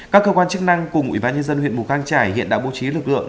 các cơ quan chức năng cùng ủy ban nhân dân huyện mù căng trải hiện đã bố trí lực lượng